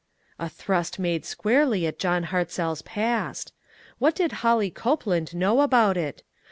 " A thrust made squarely at John Hart zell's past I What did Holly Copeland know about it?